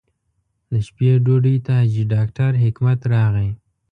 د شپې ډوډۍ ته حاجي ډاکټر حکمت راغی.